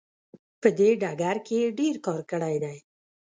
په دې ډګر کې یې ډیر کار کړی دی.